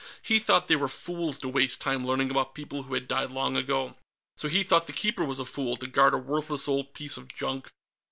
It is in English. He thought they were fools to waste time learning about people who had died long ago. So he thought the Keeper was a fool, to guard a worthless old piece of junk.